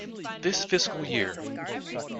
This fiscal year.